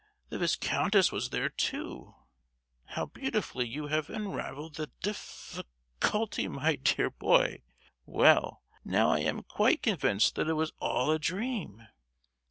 The viscountess was there too. How beautifully you have unravelled the diffi—culty, my dear boy. Well, now I am quite convinced that it was all a dream.